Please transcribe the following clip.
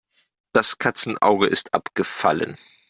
Das Katzenauge ist abgefallen.